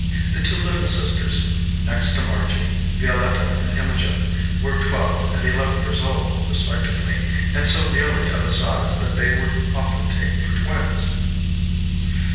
The two little sisters next to Margy, Violetta and Imogen, were twelve and eleven years old, re spectively, and so nearly of a size that they were often taken for twins.